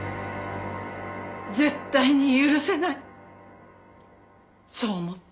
絶対に許せないそう思った。